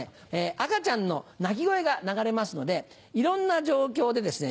赤ちゃんの泣き声が流れますのでいろんな状況でですね